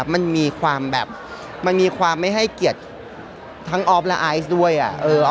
มันมีความแบบมันมีความไม่ให้เกลียดทั้งอ๊อและอ๊อด้วยอ่ะเออ